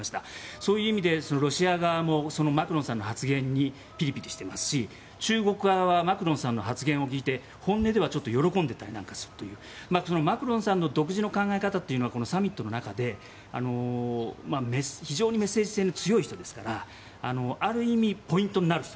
そういう意味で、ロシア側もマクロンさんの発言にピリピリしていますし中国側はマクロンさんの発言を聞いて本音では喜んでいたりするというマクロンさんの独自の考え方というのはこのサミットの中で非常にメッセージ性の強い人ですからある意味ポイントになる人。